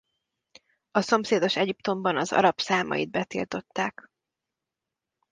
A szomszédos Egyiptomban az arab számait betiltották.